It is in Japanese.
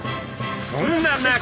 そんな中。